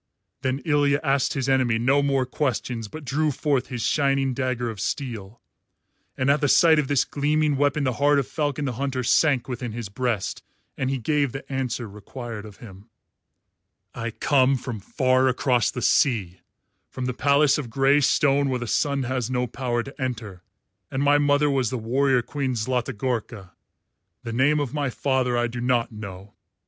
Then Ilya asked his enemy no more questions but drew forth his shining dagger of steel; and at the sight of this gleaming weapon the heart of Falcon the Hunter sank within his breast and he gave the answer required of him: "I come from far across the sea, from the palace of grey stone where the sun has no power to enter, and my mother was the warrior queen Zlatigorka. The name of my father I do not know.